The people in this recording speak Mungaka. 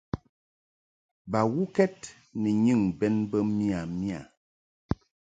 Bawuked ni nyɨŋ bɛn bə miya miya.